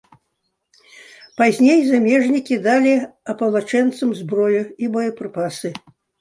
Пазней замежнікі далі апалчэнцам зброю і боепрыпасы.